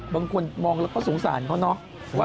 บางคนมองแล้วก็สงสารเขาเนาะ